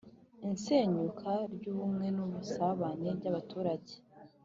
isenyuka ry'ubumwe n'ubusabane by'abaturage